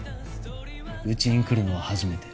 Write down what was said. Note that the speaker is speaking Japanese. うちに来るのは初めて。